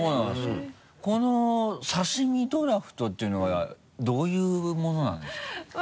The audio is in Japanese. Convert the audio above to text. この「刺身ドラフト」っていうのはどういうものなんですか？